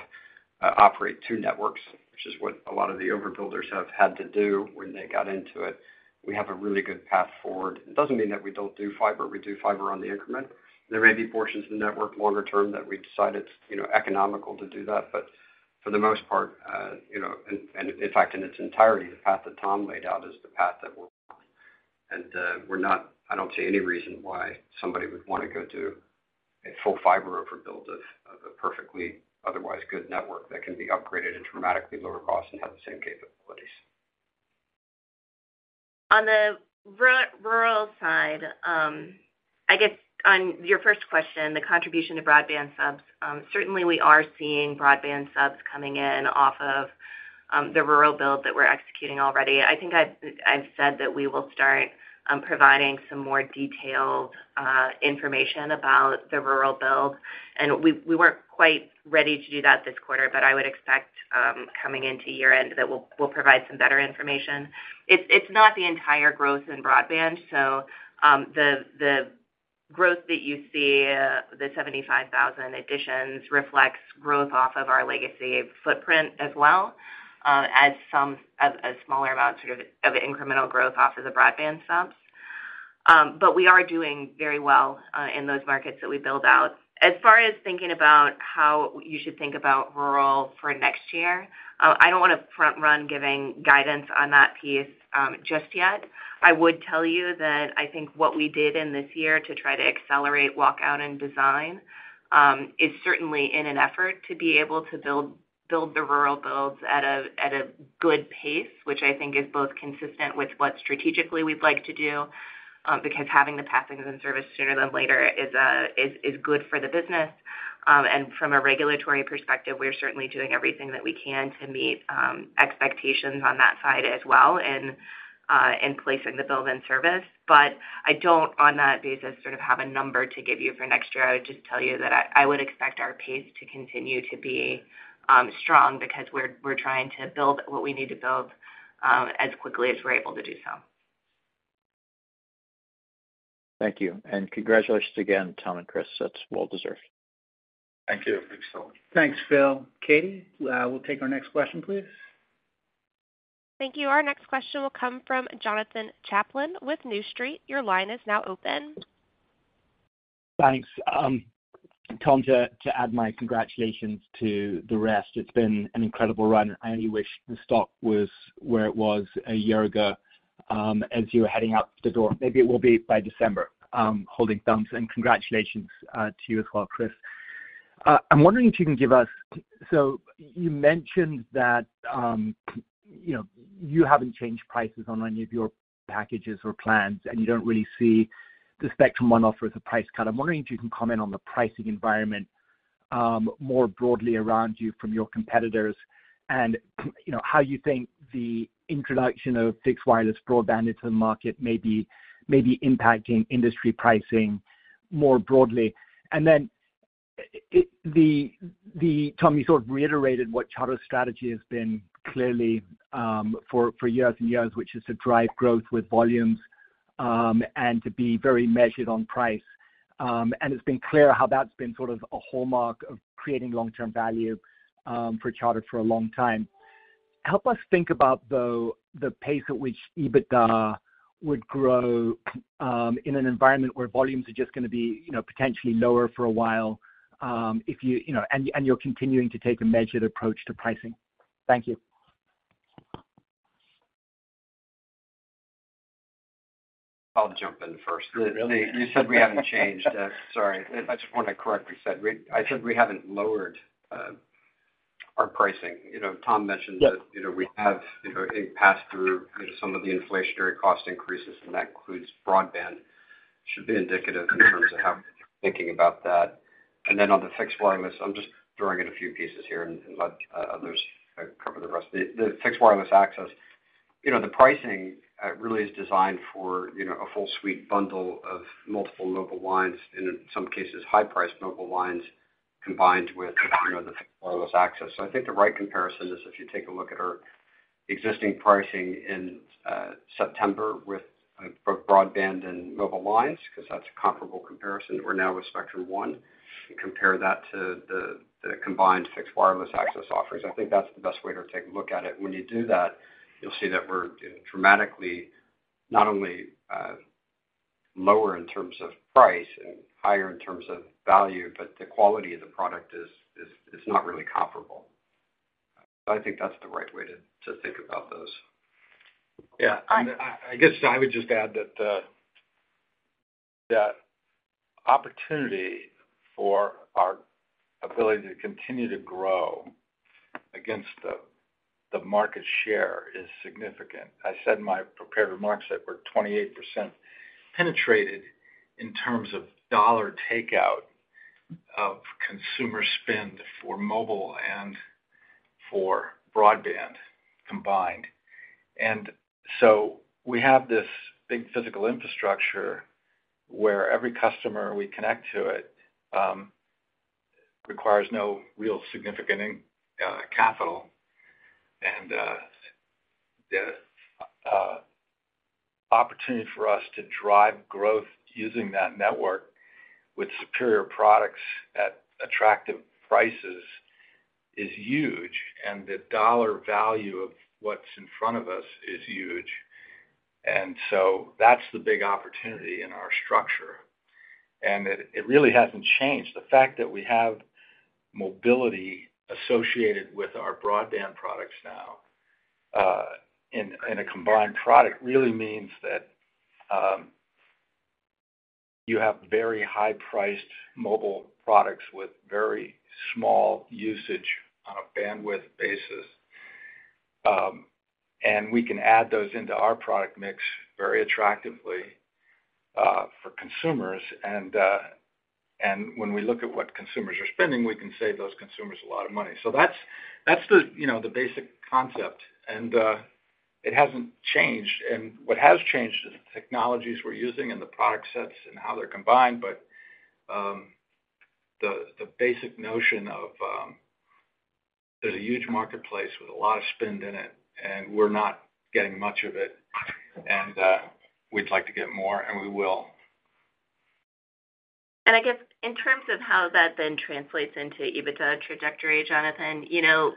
to operate two networks, which is what a lot of the overbuilders have had to do when they got into it. We have a really good path forward. It doesn't mean that we don't do fiber. We do fiber on the increment. There may be portions of the network longer term that we've decided, you know, economical to do that. But for the most part, you know, and in fact, in its entirety, the path that Tom laid out is the path that we're on. I don't see any reason why somebody would wanna go do a full fiber overbuild of a perfectly otherwise good network that can be upgraded at dramatically lower cost and have the same capabilities. On the rural side, I guess on your first question, the contribution to broadband subs, certainly we are seeing broadband subs coming in off of the rural build that we're executing already. I think I've said that we will start providing some more detailed information about the rural build, and we weren't quite ready to do that this quarter, but I would expect coming into year-end that we'll provide some better information. It's not the entire growth in broadband. The growth that you see, the 75,000 additions reflects growth off of our legacy footprint as well as a smaller amount of incremental growth off of the broadband subs. But we are doing very well in those markets that we build out. As far as thinking about how you should think about rural for next year, I don't wanna front run giving guidance on that piece, just yet. I would tell you that I think what we did in this year to try to accelerate walk-out and design is certainly in an effort to be able to build the rural builds at a good pace, which I think is both consistent with what strategically we'd like to do, because having the passings and service sooner than later is good for the business. From a regulatory perspective, we're certainly doing everything that we can to meet expectations on that side as well and in placing the build and service. I don't, on that basis, sort of have a number to give you for next year. I would just tell you that I would expect our pace to continue to be strong because we're trying to build what we need to build as quickly as we're able to do so. Thank you, and congratulations again, Tom and Chris. That's well deserved. Thank you. Thanks, Phil. Katie, we'll take our next question, please. Thank you. Our next question will come from Jonathan Chaplin with New Street. Your line is now open. Thanks. Tom, to add my congratulations to the rest. It's been an incredible run. I only wish the stock was where it was a year ago, as you were heading out the door. Maybe it will be by December. Holding thumbs and congratulations to you as well, Chris. I'm wondering if you can give us. So you mentioned that, you know, you haven't changed prices on any of your packages or plans, and you don't really see the Spectrum One offer as a price cut. I'm wondering if you can comment on the pricing environment more broadly around you from your competitors and, you know, how you think the introduction of fixed wireless broadband into the market may be impacting industry pricing more broadly. Tom, you sort of reiterated what Charter's strategy has been clearly for years and years, which is to drive growth with volumes and to be very measured on price. It's been clear how that's been sort of a hallmark of creating long-term value for Charter for a long time. Help us think about, though, the pace at which EBITDA would grow in an environment where volumes are just gonna be, you know, potentially lower for a while, if, you know, and you're continuing to take a measured approach to pricing. Thank you. I'll jump in first. Really? You said we haven't changed. Sorry. I just wanna correct what you said. I said we haven't lowered our pricing. You know, Tom mentioned that. Yes. You know, we have, you know, passed through, you know, some of the inflationary cost increases, and that includes broadband. Should be indicative in terms of how we're thinking about that. Then on the fixed wireless, I'm just throwing in a few pieces here and let others cover the rest. The fixed wireless access, you know, the pricing really is designed for, you know, a full suite bundle of multiple mobile lines, and in some cases, high-priced mobile lines combined with, you know, the fixed wireless access. I think the right comparison is if you take a look at our existing pricing in September with both broadband and mobile lines, 'cause that's a comparable comparison. We're now with Spectrum One. Compare that to the combined fixed wireless access offerings. I think that's the best way to take a look at it. When you do that, you'll see that we're dramatically not only lower in terms of price and higher in terms of value, but the quality of the product is not really comparable. I think that's the right way to think about those. Yeah. I guess I would just add that. That opportunity for our ability to continue to grow against the market share is significant. I said in my prepared remarks that we're 28% penetrated in terms of dollar takeout of consumer spend for mobile and for broadband combined. We have this big physical infrastructure where every customer we connect to it requires no real significant capital. The opportunity for us to drive growth using that network with superior products at attractive prices is huge, and the dollar value of what's in front of us is huge. That's the big opportunity in our structure. It really hasn't changed. The fact that we have mobility associated with our broadband products now in a combined product really means that you have very high-priced mobile products with very small usage on a bandwidth basis. We can add those into our product mix very attractively for consumers. When we look at what consumers are spending, we can save those consumers a lot of money. That's the, you know, the basic concept, and it hasn't changed. What has changed is the technologies we're using and the product sets and how they're combined. The basic notion of there's a huge marketplace with a lot of spend in it, and we're not getting much of it, and we'd like to get more, and we will. I guess in terms of how that then translates into EBITDA trajectory, Jonathan, you know,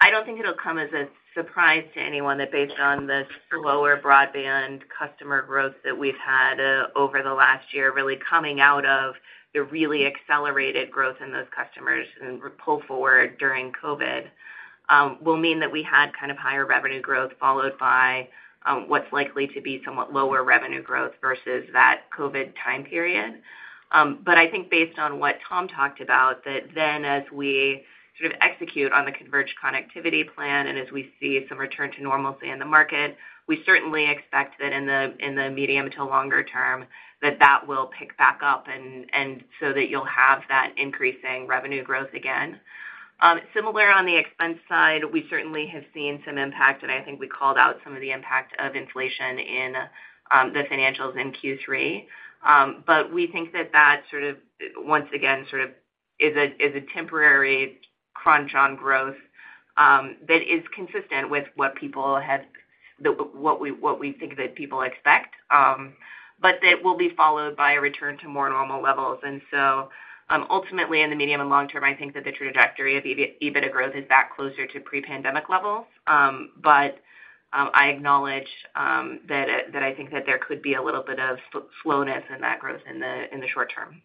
I don't think it'll come as a surprise to anyone that based on the slower broadband customer growth that we've had over the last year, really coming out of the really accelerated growth in those customers and pull forward during COVID, will mean that we had kind of higher revenue growth followed by what's likely to be somewhat lower revenue growth versus that COVID time period. I think based on what Tom talked about, that then as we sort of execute on the converged connectivity plan and as we see some return to normalcy in the market, we certainly expect that in the medium to longer term, that will pick back up and so that you'll have that increasing revenue growth again. Similar on the expense side, we certainly have seen some impact, and I think we called out some of the impact of inflation in the financials in Q3. But we think that sort of once again sort of is a temporary crunch on growth that is consistent with what we think that people expect, but that will be followed by a return to more normal levels. Ultimately, in the medium and long term, I think that the trajectory of EBITDA growth is back closer to pre-pandemic levels. I acknowledge that I think that there could be a little bit of slowness in that growth in the short term.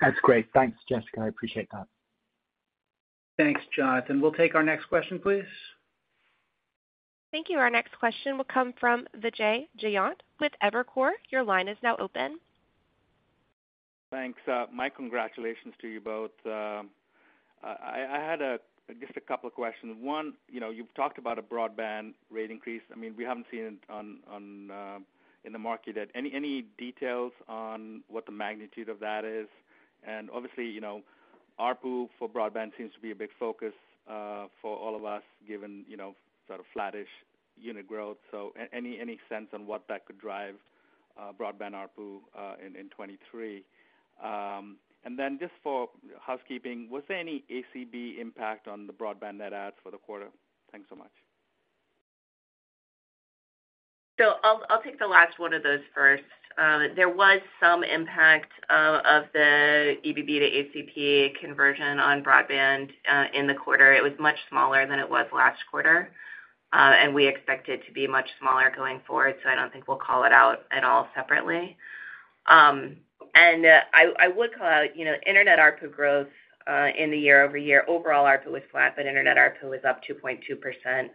That's great. Thanks, Jessica. I appreciate that. Thanks, Jonathan. We'll take our next question, please. Thank you. Our next question will come from Vijay Jayant with Evercore. Your line is now open. Thanks. My congratulations to you both. Just a couple of questions. One, you know, you've talked about a broadband rate increase. I mean, we haven't seen it online in the market yet. Any details on what the magnitude of that is? Obviously, you know, ARPU for broadband seems to be a big focus for all of us, given you know, sort of flattish unit growth. Any sense on what that could drive broadband ARPU in 2023? Just for housekeeping, was there any ACP impact on the broadband net adds for the quarter? Thanks so much. I'll take the last one of those first. There was some impact of the EBB to ACP conversion on broadband in the quarter. It was much smaller than it was last quarter, and we expect it to be much smaller going forward, so I don't think we'll call it out at all separately. I would call out, you know, internet ARPU growth in the year-over-year. Overall ARPU was flat, but internet ARPU was up 2.2%.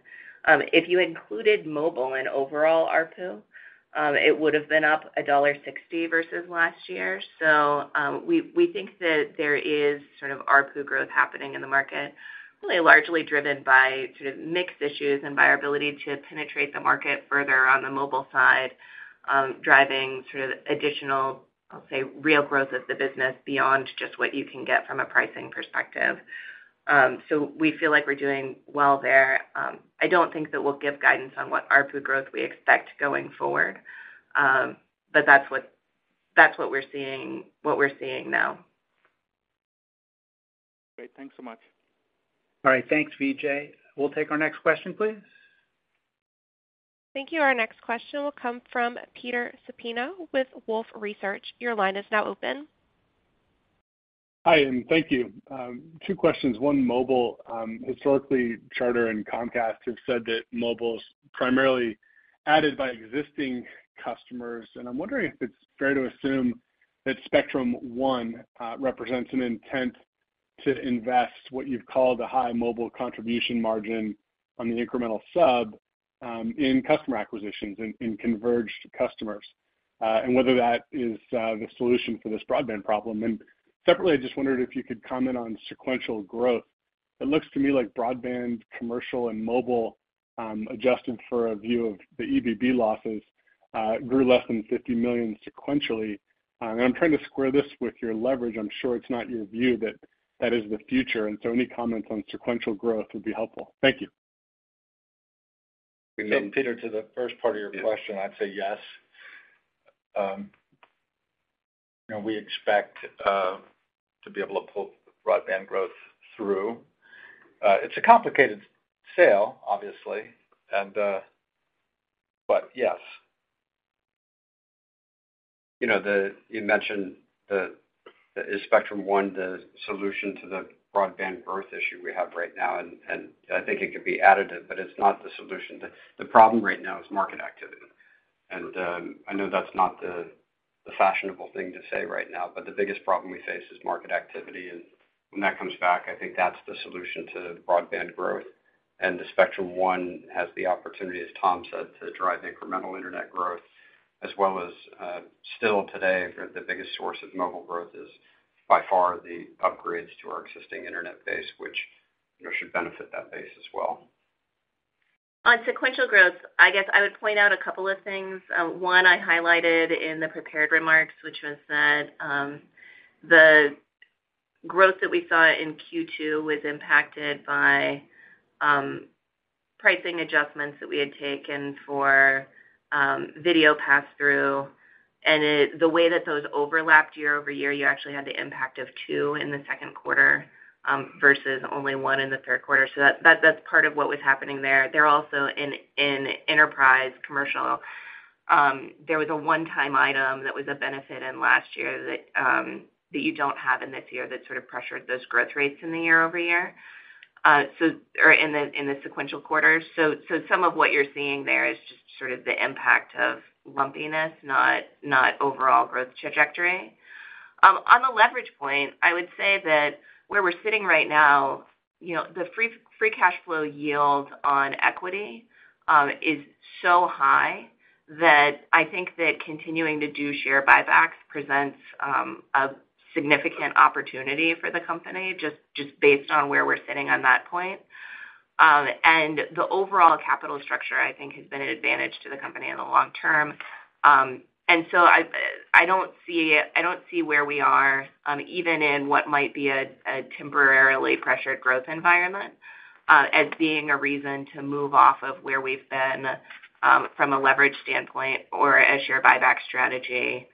If you included mobile in overall ARPU, it would've been up $1.60 versus last year. We think that there is sort of ARPU growth happening in the market, really largely driven by sort of mix issues and by our ability to penetrate the market further on the mobile side, driving sort of additional, I'll say, real growth of the business beyond just what you can get from a pricing perspective. We feel like we're doing well there. I don't think that we'll give guidance on what ARPU growth we expect going forward, but that's what we're seeing now. Great. Thanks so much. All right. Thanks, Vijay. We'll take our next question, please. Thank you. Our next question will come from Peter Supino with Wolfe Research. Your line is now open. Hi, and thank you. Two questions. One mobile. Historically, Charter and Comcast have said that mobile's primarily added by existing customers, and I'm wondering if it's fair to assume that Spectrum One represents an intent to invest what you've called a high mobile contribution margin on the incremental sub in customer acquisitions in converged customers, and whether that is the solution for this broadband problem. Separately, I just wondered if you could comment on sequential growth. It looks to me like broadband commercial and mobile, adjusted for a view of the EBB losses, grew less than $50 million sequentially. I'm trying to square this with your leverage. I'm sure it's not your view that that is the future, and so any comments on sequential growth would be helpful. Thank you. Peter, to the first part of your question, I'd say yes. You know, we expect to be able to pull broadband growth through. It's a complicated sale, obviously, and but yes. You know, you mentioned the, is Spectrum One the solution to the broadband growth issue we have right now, and I think it could be additive, but it's not the solution. The problem right now is market activity. I know that's not the fashionable thing to say right now, but the biggest problem we face is market activity. When that comes back, I think that's the solution to broadband growth. The Spectrum One has the opportunity, as Tom said, to drive incremental internet growth as well as still today, the biggest source of mobile growth is by far the upgrades to our existing internet base, which, you know, should benefit that base as well. On sequential growth, I guess I would point out a couple of things. One I highlighted in the prepared remarks, which was that the growth that we saw in Q2 was impacted by pricing adjustments that we had taken for video pass through. The way that those overlapped year-over-year, you actually had the impact of two in the second quarter versus only one in the third quarter. That's part of what was happening there. They're also in enterprise commercial, there was a one-time item that was a benefit in last year that you don't have in this year that sort of pressured those growth rates in the year-over-year, so or in the sequential quarters. Some of what you're seeing there is just sort of the impact of lumpiness, not overall growth trajectory. On the leverage point, I would say that where we're sitting right now, you know, the free cash flow yield on equity is so high that I think that continuing to do share buybacks presents a significant opportunity for the company just based on where we're sitting on that point. The overall capital structure, I think, has been an advantage to the company in the long term. I don't see where we are even in what might be a temporarily pressured growth environment as being a reason to move off of where we've been from a leverage standpoint or a share buyback strategy.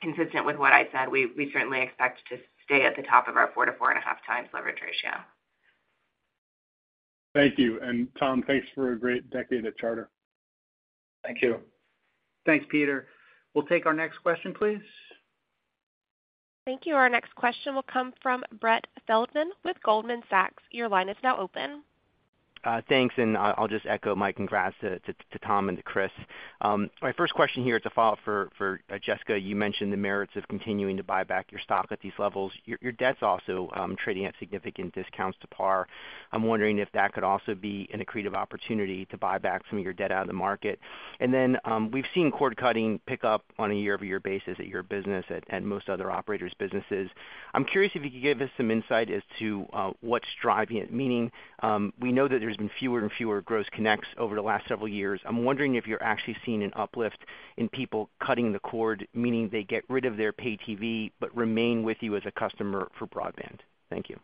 Consistent with what I said, we certainly expect to stay at the top of our 4x-4.5x leverage ratio. Thank you. Tom, thanks for a great decade at Charter. Thank you. Thanks, Peter. We'll take our next question, please. Thank you. Our next question will come from Brett Feldman with Goldman Sachs. Your line is now open. Thanks, and I'll just echo Mike. Congrats to Tom and to Chris. My first question here to follow up for Jessica, you mentioned the merits of continuing to buy back your stock at these levels. Your debt's also trading at significant discounts to par. I'm wondering if that could also be an accretive opportunity to buy back some of your debt out of the market. Then, we've seen cord cutting pick up on a year-over-year basis at your business at most other operators' businesses. I'm curious if you could give us some insight as to what's driving it, meaning, we know that there's been fewer and fewer gross connects over the last several years. I'm wondering if you're actually seeing an uplift in people cutting the cord, meaning they get rid of their pay TV, but remain with you as a customer for broadband. Thank you.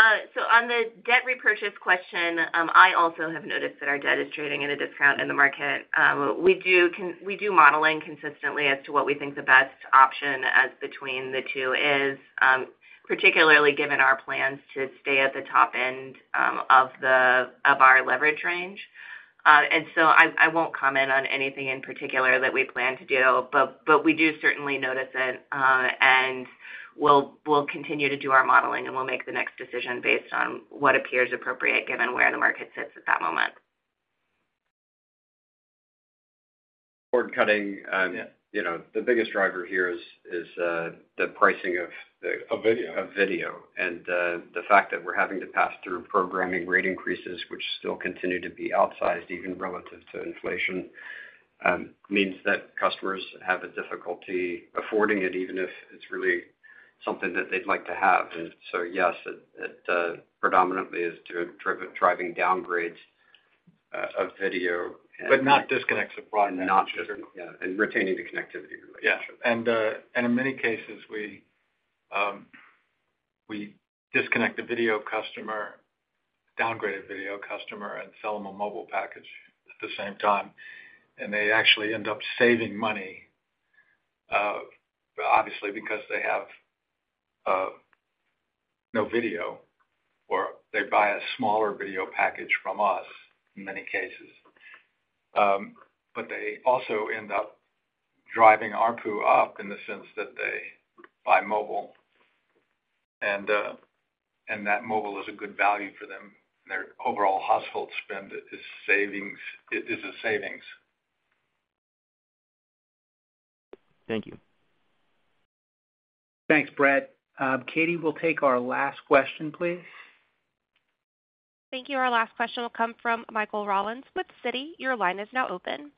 On the debt repurchase question, I also have noticed that our debt is trading at a discount in the market. We do modeling consistently as to what we think the best option as between the two is, particularly given our plans to stay at the top end of our leverage range. I won't comment on anything in particular that we plan to do, but we do certainly notice it, and we'll continue to do our modeling, and we'll make the next decision based on what appears appropriate given where the market sits at that moment. Cord cutting, you know, the biggest driver here is the pricing of the- Of video. Of video. The fact that we're having to pass through programming rate increases, which still continue to be outsized even relative to inflation, means that customers have a difficulty affording it, even if it's really something that they'd like to have. Yes, it predominantly is driving downgrades of video and. Not disconnects of broadband. Not disconnects, yeah, and retaining the connectivity relationship. In many cases, we disconnect the video customer, downgraded video customer and sell them a mobile package at the same time, and they actually end up saving money, obviously because they have no video or they buy a smaller video package from us in many cases. But they also end up driving ARPU up in the sense that they buy mobile. That mobile is a good value for them. Their overall household spend is savings. It is a savings. Thank you. Thanks, Brett. Katie, we'll take our last question, please. Thank you. Our last question will come from Michael Rollins with Citi. Your line is now open.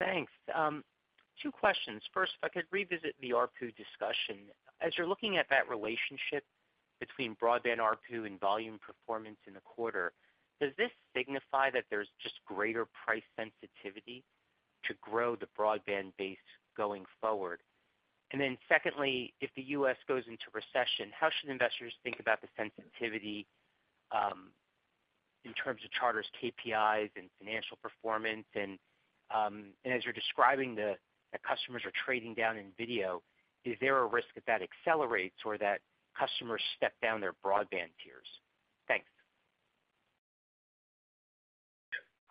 Thanks. Two questions. First, if I could revisit the ARPU discussion. As you're looking at that relationship between broadband ARPU and volume performance in the quarter, does this signify that there's just greater price sensitivity to grow the broadband base going forward? Secondly, if the U.S. goes into recession, how should investors think about the sensitivity in terms of Charter's KPIs and financial performance? As you're describing the customers are trading down in video, is there a risk that that accelerates or that customers step down their broadband tiers? Thanks.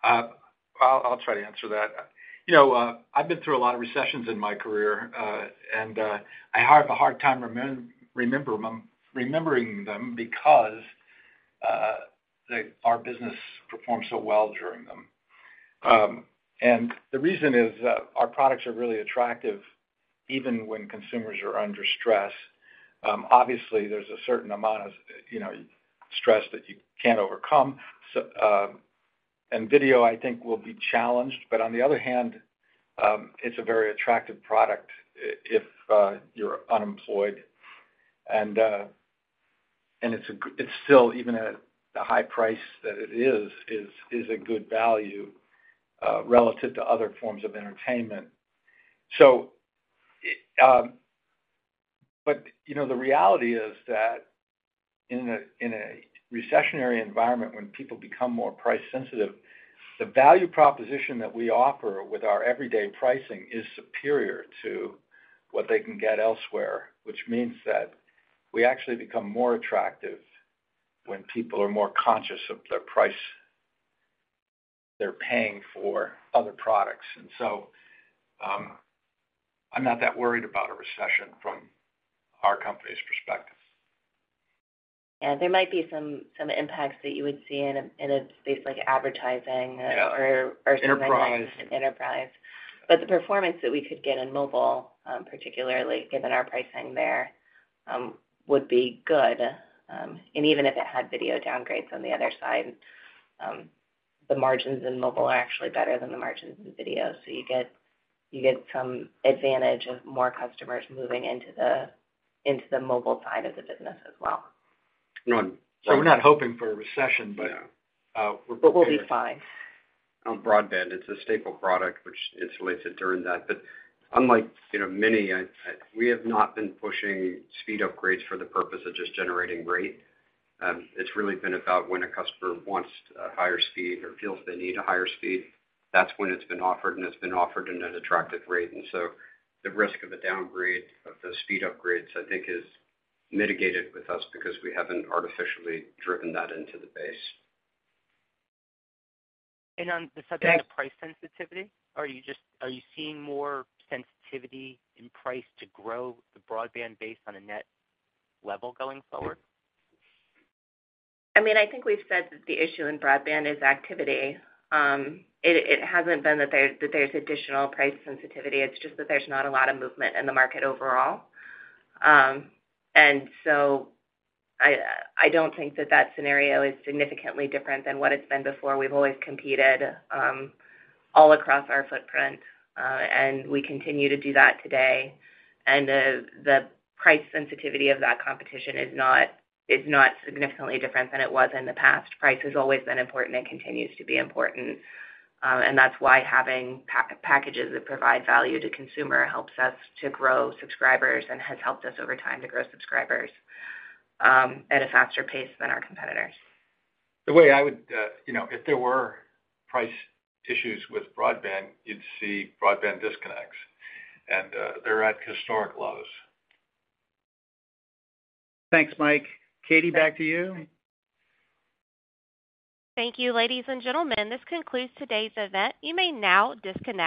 I'll try to answer that. You know, I've been through a lot of recessions in my career, and I have a hard time remembering them because our business performs so well during them. The reason is that our products are really attractive even when consumers are under stress. Obviously, there's a certain amount of, you know, stress that you can't overcome. Video, I think, will be challenged. On the other hand, it's a very attractive product if you're unemployed. It's still even at the high price that it is a good value relative to other forms of entertainment. You know, the reality is that in a recessionary environment, when people become more price sensitive, the value proposition that we offer with our everyday pricing is superior to what they can get elsewhere, which means that we actually become more attractive when people are more conscious of the price they're paying for other products. I'm not that worried about a recession from our company's perspective. Yeah, there might be some impacts that you would see in a space like advertising or- Yeah. Enterprise. Enterprise. The performance that we could get in mobile, particularly given our pricing there, would be good. Even if it had video downgrades on the other side, the margins in mobile are actually better than the margins in video. You get some advantage of more customers moving into the mobile side of the business as well. We're not hoping for a recession, but we're prepared. We'll be fine. On broadband, it's a staple product which insulates it during that. Unlike, you know, many, we have not been pushing speed upgrades for the purpose of just generating rate. It's really been about when a customer wants a higher speed or feels they need a higher speed. That's when it's been offered, and it's been offered in an attractive rate. The risk of a downgrade of those speed upgrades, I think is mitigated with us because we haven't artificially driven that into the base. On the subject of price sensitivity, are you seeing more sensitivity in price to grow the broadband base on a net level going forward? I mean, I think we've said that the issue in broadband is activity. It hasn't been that there's additional price sensitivity. It's just that there's not a lot of movement in the market overall. I don't think that scenario is significantly different than what it's been before. We've always competed all across our footprint and we continue to do that today. The price sensitivity of that competition is not significantly different than it was in the past. Price has always been important and continues to be important. That's why having packages that provide value to consumers helps us to grow subscribers and has helped us over time to grow subscribers at a faster pace than our competitors. The way I would, you know, if there were price issues with broadband, you'd see broadband disconnects, and they're at historic lows. Thanks, Mike. Katie, back to you. Thank you, ladies and gentlemen. This concludes today's event. You may now disconnect.